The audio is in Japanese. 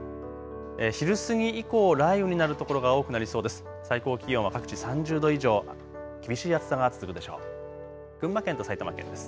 昼過ぎ以降、雷雨になる所が多くなりそうです。